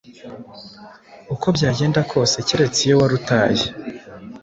uko byagenda kose, keretse iyo warutaye